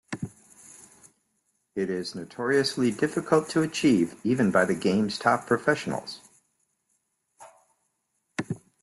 It is notoriously difficult to achieve, even by the game's top professionals.